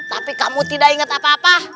tapi kamu tidak ingat apa apa